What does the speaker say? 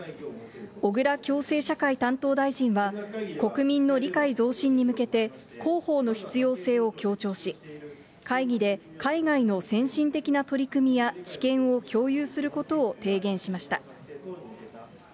小倉共生社会担当大臣は、国民の理解増進に向けて、広報の必要性を強調し、会議で海外の先進的な取り組みや、知見を共有することを提言しました。